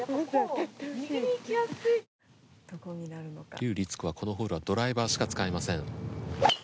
笠りつ子はこのホールはドライバーしか使えません。